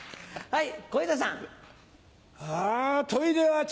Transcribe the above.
はい。